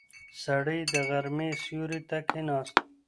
سړی د غرمې سیوري ته کیناست.